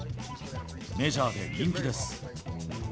メジャーで人気です。